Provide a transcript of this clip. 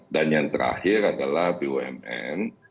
dan yang terakhir adalah bumn